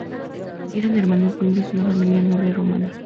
Eran hermanos, miembros de una familia noble romana.